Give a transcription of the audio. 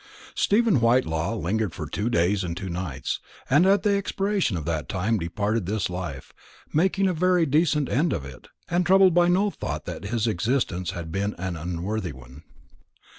Stephen Whitelaw lingered for two days and two nights, and at the expiration of that time departed this life, making a very decent end of it, and troubled by no thought that his existence had been an unworthy one.